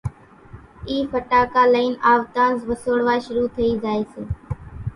اِي ڦٽاڪا لئي آوتانز وسوڙوا شروع ٿئي زائي سي